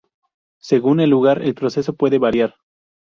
Según el lugar, el proceso puede variar.